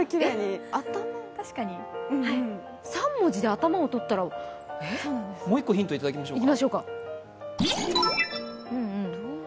３文字で頭をとったらもう一個ヒントいただきましょうか。